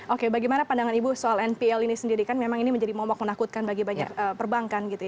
oke bagaimana pandangan ibu soal npl ini sendiri kan memang ini menjadi momok menakutkan bagi banyak perbankan gitu ya